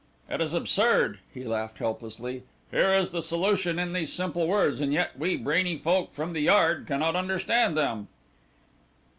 "It is absurd," he laughed helplessly. "Here is the solution in these simple words, and yet we brainy folk from the Yard cannot understand them!"